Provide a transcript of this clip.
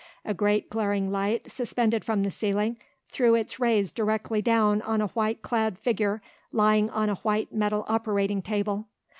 A great glaring light, suspended from the ceiling, threw its rays directly down on a white clad figure lying on a white metal operating table.